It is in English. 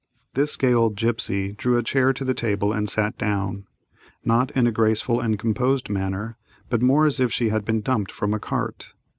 This gay old gipsy drew a chair to the table, and sat down, not in a graceful and composed manner, but more as if she had been dumped from a cart.